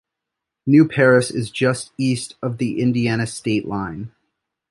New Paris is just east of the Indiana state line.